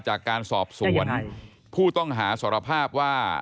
จากการสอบสวนผู้ต้องหาสารภาพว่า